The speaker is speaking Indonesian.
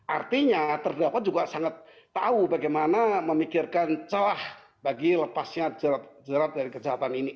artinya terdakwa juga sangat tahu bagaimana memikirkan celah bagi lepasnya jerat jerat dari kejahatan ini